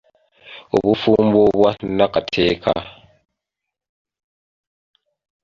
Obufumbo obwa nnakateeka.